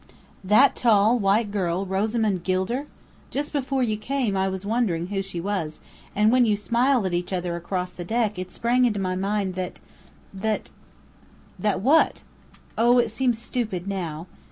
"That tall, white girl Rosamond Gilder! Just before you came, I was wondering who she was; and when you smiled at each other across the deck it sprang into my mind that that " "That what?" "Oh, it seems stupid now."